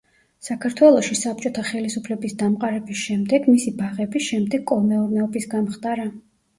საქართველოში საბჭოთა ხელისუფლების დამყარების შემდეგ, მისი ბაღები შემდეგ კოლმეურნეობის გამხდარა.